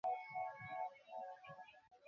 এ ছাড়া আগুন নেভাতে গিয়ে বাবা ছেলে দুজনই আহত হয়েছেন।